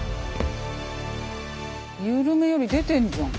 ゆるめより出てんじゃん。